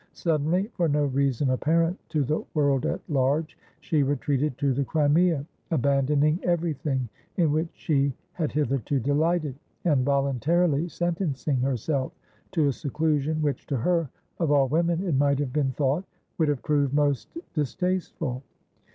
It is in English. Suddenly, for no reason apparent to the world at large, she retreated to the Crimea, abandoning everything in which she had hitherto delighted, and voluntarily sentencing herself to a seclusion which to her, of all women, it might have been thought, would have proved most distasteful.